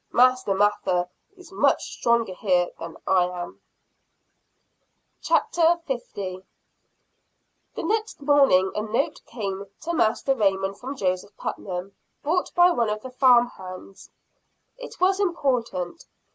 Master Mather is much stronger here than I am." CHAPTER L. Bringing Affairs to a Crisis. The next morning a note came to Master Raymond from Joseph Putnam, brought by one of the farm hands. It was important.